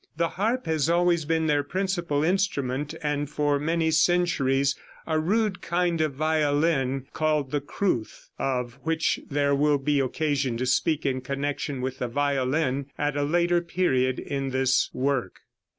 The harp has always been their principal instrument, and for many centuries a rude kind of violin called the crwth, of which there will be occasion to speak in connection with the violin, at a later period in this work.